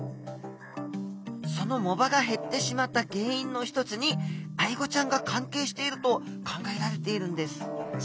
その藻場が減ってしまった原因の一つにアイゴちゃんが関係していると考えられているんです。